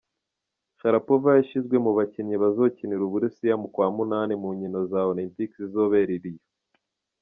Sharapova yashizwe mu bazokinira Uburusiya mu kwa munani mu nkino za Olympic zizobera Rio.